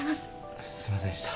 すいませんでした。